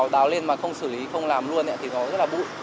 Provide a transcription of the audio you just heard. đào lên mà không xử lý không làm luôn thì nó rất là bụi